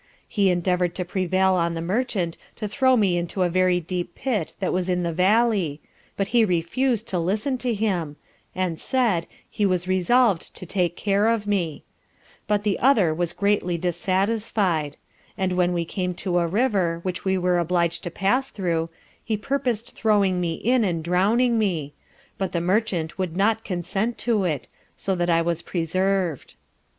He endeavoured to prevail on the merchant to throw me into a very deep pit that was in the valley, but he refused to listen to him, and said, he was resolved to take care of me: but the other was greatly dissatisfied; and when we came to a river, which we were obliged to pass through, he purpos'd throwing me in and drowning me; but the Merchant would not consent to it, so that I was preserv'd.